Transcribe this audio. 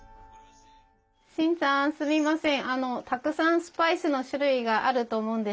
シンさんすみません。